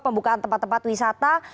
pembukaan tempat tempat wisata